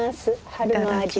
春の味。